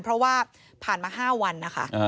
เพราะว่าผ่านมา๕วันนะคะ